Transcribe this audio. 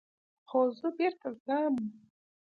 خو زه بېرته ځم.